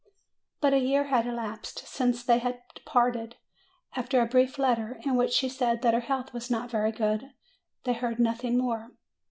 But a year had elapsed since they had parted; after a brief letter, in which she said that her health was not very good, they heard nothing more.